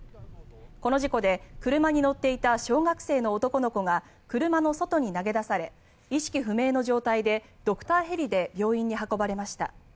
この事故で車に乗っていた小学生の男の子が車の外に投げ出され意識不明の状態でドクターヘリで病院に運ばれました。